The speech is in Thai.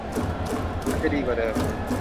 มันจะดีกว่าเดิม